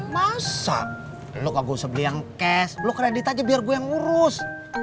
masa lu gak usah beli yang cash lu kredit aja biar gue yang urus